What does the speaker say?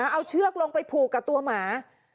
เอาเชือกลงไปผูกกับตัวหมา